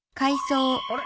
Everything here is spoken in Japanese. あれ？